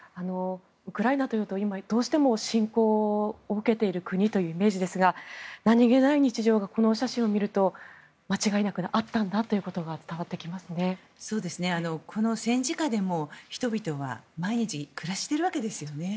ウクライナというと今、どうしても侵攻を受けている国というイメージですが何げない日常がこの写真を見ると、間違いなくあったんだということがこの戦時下でも人々は毎日暮らしているわけですよね。